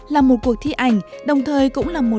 là một cuộc thi ảnh